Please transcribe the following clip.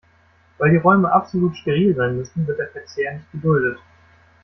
Weil die Räume absolut steril sein müssen, wird der Verzehr nicht geduldet.